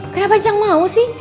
kenapa cang mau sih